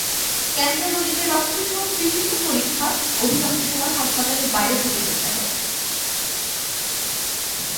Cancer রোগীদের রক্তসহ বিভিন্ন পরীক্ষা অধিকাংশ সময় হাসপাতালের বাইরে থেকে করতে হয়।